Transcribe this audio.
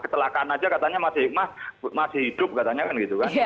ketelakan aja katanya masih hikmah masih hidup katanya kan gitu kan